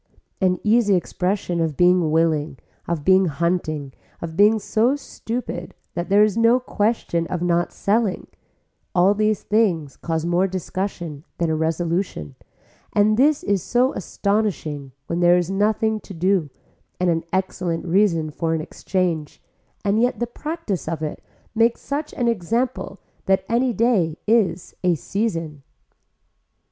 An easy expression of being willing, of being hunting, of being so stupid that there is no question of not selling, all these things cause more discussion than a resolution and this is so astonishing when there is nothing to do and an excellent reason for an exchange, and yet the practice of it makes such an example that any day is a season.